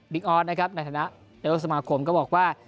บิ๊กออสนะครับนาธนาเอลสมกรมก็บอกว่า